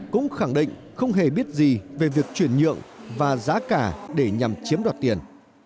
cũng khẳng định không hề biết gì về việc chuyển nhượng và giá cả để nhằm chiếm đoạt tiền